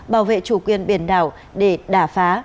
bảo vệ chủ quyền biển đảo để đả phá